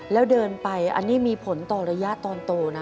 แล้วเดินไปอันนี้มีผลต่อระยะตอนโตนะ